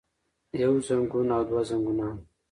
يو زنګون او دوه زنګونان